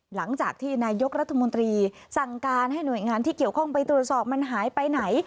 หลังจากที่นายกรัฐมนตรีสั่งการให้หน่วยงานที่เกี่ยวข้องไปตรวจสอบมันหายไปไหน